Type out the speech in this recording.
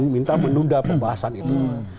minta menunda pembahasan itu